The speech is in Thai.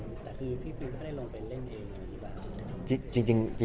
แต่คือพี่ฟิลก็ได้ลงไปเล่นเองหรือเปล่า